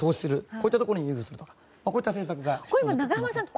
こういったところを優遇するとかという政策が。